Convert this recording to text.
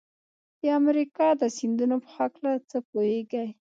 د امریکا د سیندونو په هلکه څه پوهیږئ؟